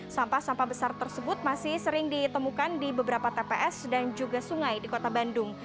sampah sampah besar tersebut masih sering ditemukan di beberapa tps dan juga sungai di kota bandung